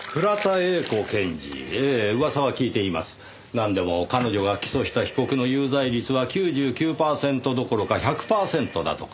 なんでも彼女が起訴した被告の有罪率は９９パーセントどころか１００パーセントだとか。